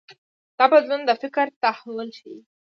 دا بدلون د فکر تحول ښيي.